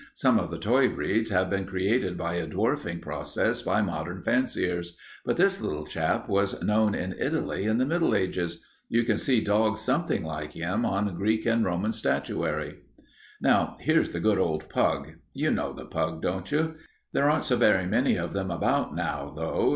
Some of the toy breeds have been created by a dwarfing process by modern fanciers, but this little chap was known in Italy in the Middle Ages. You can see dogs something like him on Greek and Roman statuary. "Now here's the good old pug. You know the pug, don't you? There aren't so very many of them about now, though.